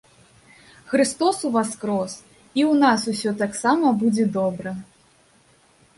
Хрыстос уваскрос, і ў нас усё таксама будзе добра.